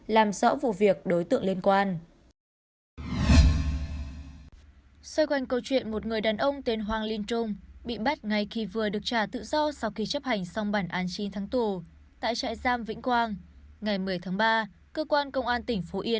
lên đến ba năm tù